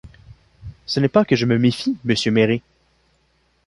Ce n’est pas que je me méfie, monsieur Méré!